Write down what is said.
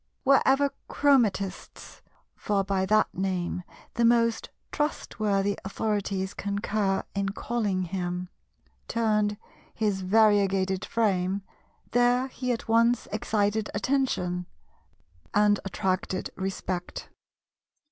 Wherever Chromatistes,—for by that name the most trustworthy authorities concur in calling him,—turned his variegated frame, there he at once excited attention, and attracted respect.